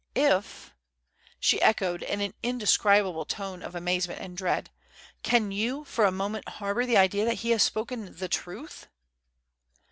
"If?" she echoed in an indescribable tone of amazement and dread. "Can you for a moment harbour the idea that he has spoken the truth?"